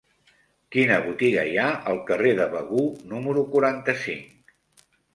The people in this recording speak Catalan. Quina botiga hi ha al carrer de Begur número quaranta-cinc?